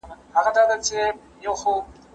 باید تل هڅه وکړو چې خپل وزن په نورمال حالت کې وساتو.